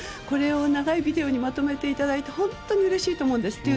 これを長いビデオにまとめていただけて本当にうれしいと思うんです。